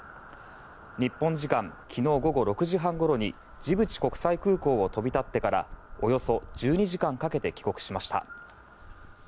日本時間昨日午後６時半ごろにジブチ国際空港を飛び立ってからおよそ１２時間かけて帰国しました。